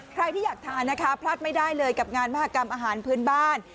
ใครที่อยากทานนะคะพลาดไม่ได้เลยกับงานมหากรรมอาหารพื้นบ้าน